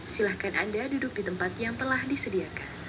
silahkan anda duduk di tempat yang telah disediakan